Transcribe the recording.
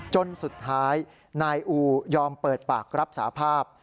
จนสุดท้ายนายอูยอมเปิดปากรับสาภาพ